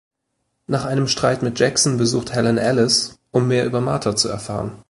Nach einem Streit mit Jackson besucht Helen Alice, um mehr über Martha zu erfahren.